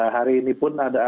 hari ini pun ada